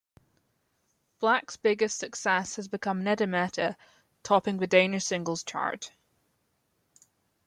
Blak's biggest success has become "Nede mette" topping the Danish singles chart.